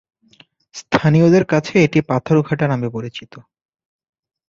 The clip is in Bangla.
স্থানীয়দের কাছে এটি পাথরঘাটা নামে পরিচিত।